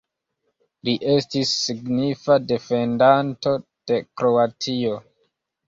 Li estis signifa defendanto de Kroatio.